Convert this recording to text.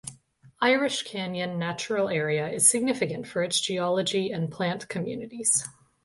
Irish Canyon Natural Area is significant for its geology and plant communities.